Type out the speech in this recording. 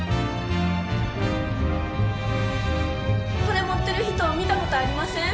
これ持ってる人見た事ありません？